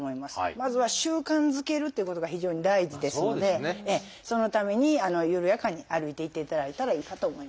まずは習慣づけるっていうことが非常に大事ですのでそのために緩やかに歩いていっていただいたらいいかと思います。